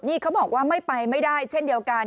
นี่เขาบอกว่าไม่ไปไม่ได้เช่นเดียวกัน